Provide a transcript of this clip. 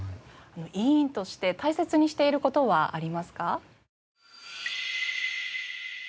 委員として大切にしている事はありますか？